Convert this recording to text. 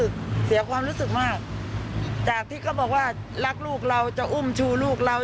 คือเสียความรู้สึกมากจากที่เขาบอกว่ารักลูกเราจะอุ้มชูลูกเรา